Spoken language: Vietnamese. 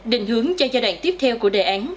định hướng cho giai đoạn tiếp theo của đề án